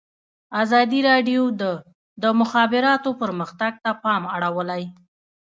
ازادي راډیو د د مخابراتو پرمختګ ته پام اړولی.